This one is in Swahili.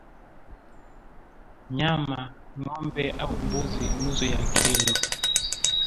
Nyama ngombe au mbuzi nusu ya kilo